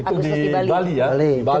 itu di bali ya di bali